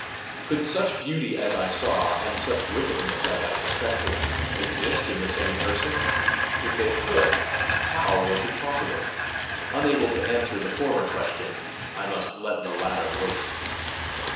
Could such beauty as I saw, and such wickedness as I suspected, exist in the same person? If they could, HOW was it possible? Unable to answer the former question, I must let the latter wait!